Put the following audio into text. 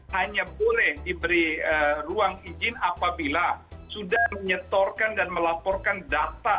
hanya boleh diberi ruang izin apabila sudah menyetorkan dan melaporkan data